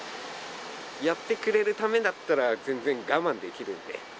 やってくれるためだったら、全然我慢できるんで。